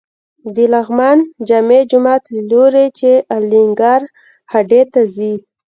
د لغمان جامع جومات له لوري چې الینګار هډې ته ځې.